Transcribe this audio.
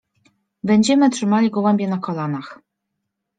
Będziemy trzymali gołębie na kolanach.